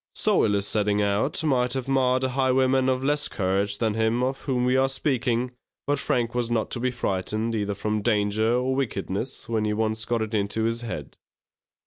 So ill a setting out might have marred a highwayman of less courage than him of whom we are speaking; but Frank was not to be frightened either from danger or wickedness, when he once got it into his head.